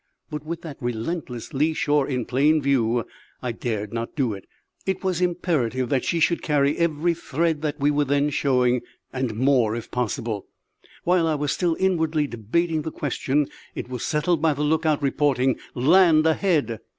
But with that relentless lee shore in plain view I dared not do it; it was imperative that she should carry every thread we were then showing, and more if possible. While I was still inwardly debating the question it was settled by the lookout reporting land ahead!